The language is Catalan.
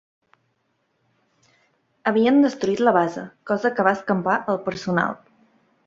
Havien destruït la base, cosa que va escampar el personal.